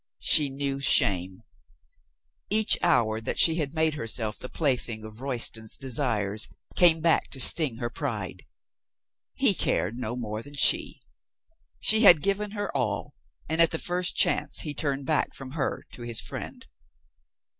She knew shame. Each hour that she made herself the plaything of Roy ston's desires came back to sting her pride. He cared no more than she. She had given her all and at the first chance he turned back from her to his friend.